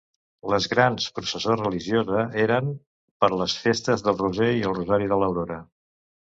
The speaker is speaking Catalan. Les grans processó religiosa eren per les festes del Roser i rosari de l'aurora.